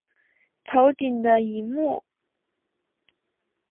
头顶的萤幕